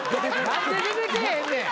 何で出てけえへんねん。